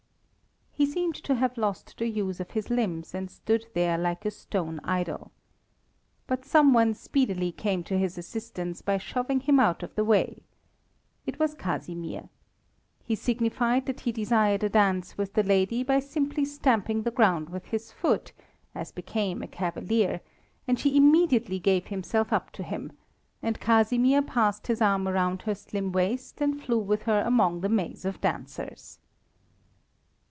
He seemed to have lost the use of his limbs, and stood there like a stone idol. But some one speedily came to his assistance by shoving him out of the way. It was Casimir. He signified that he desired a dance with the lady by simply stamping the ground with his foot, as became a cavalier, and she immediately gave herself up to him, and Casimir passed his arm around her slim waist and flew with her among the maze of dancers.